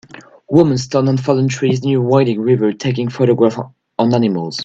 Woman stands on fallen trees near winding river taking photographs of animals.